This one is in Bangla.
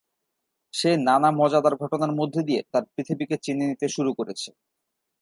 সে নানা মজাদার ঘটনার মধ্যে দিয়ে তার পৃথিবীকে চিনে নিতে শুরু করেছে।